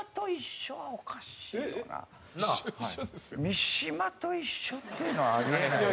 三島と一緒っていうのはあり得ないよね。